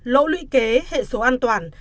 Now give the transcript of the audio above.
lỗ lũy kế hệ số an toàn